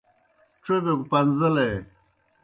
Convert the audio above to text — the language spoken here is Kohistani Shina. ڇوبِیو گہ پن٘زیلے۔